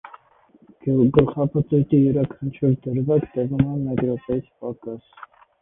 Գլխապտույտի յուրաքանչյուր դրվագ տևում է մեկ րոպեից պակաս։